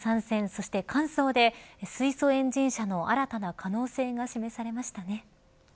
そして完走で水素エンジン車の新たな可能性が示されましたね。